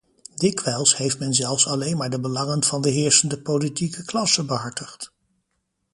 Dikwijls heeft men zelfs alleen maar de belangen van de heersende politieke klasse behartigd.